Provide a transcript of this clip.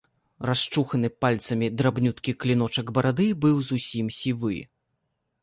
Расчуханы пальцамі драбнюткі кліночак барады быў зусім сівы.